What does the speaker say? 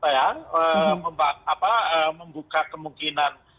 yang membuka kemungkinan